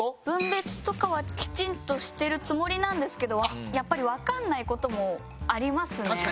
分別とかはきちんとしてるつもりなんですけどやっぱりわかんない事もありますね。